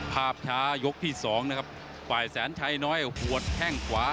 ภาพช้ายกที่สองนะครับฝ่ายแสนชัยน้อยหัวแข้งขวา